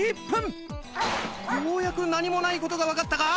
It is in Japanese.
ようやく何もないことが分かったか？